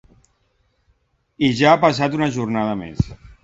I ja ha passat una jornada més.